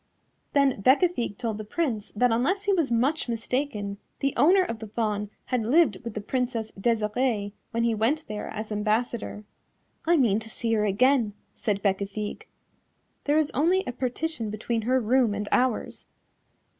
Then Bécafigue told the Prince that unless he was much mistaken the owner of the Fawn had lived with the Princess Desirée when he went there as ambassador. "I mean to see her again," said Bécafigue, "there is only a partition between her room and ours."